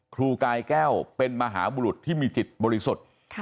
ครูกายแก้วเป็นมหาบุรุษที่มีจิตบริสุทธิ์